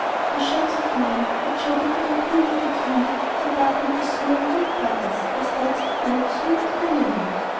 The shirts of the men, which showed at the opening of the tunic, were buttoned with small gold buttons or studs of gold sewn into the linen.